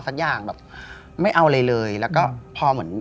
ให้ยาไมกิน